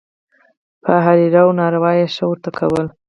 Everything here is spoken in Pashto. په هرې روا او ناروا یې «ښه» ورته کول.